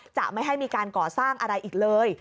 จะไม่ให้มีการก่อสร้างอะไรอีกเลย